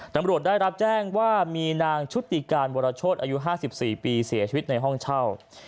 ตำรวจได้รับแจ้งว่ามีนางชุติการวรโชธอายุ๕๔ปีเสียชีวิตในห้องเช่า